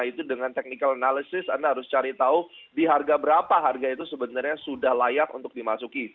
itu dengan technical analysis anda harus cari tahu di harga berapa harga itu sebenarnya sudah layak untuk dimasuki